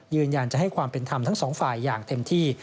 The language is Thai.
ยืนยันจะให้ความเป็นธรรมทั้งสองฝ่ายอย่างเต็มที่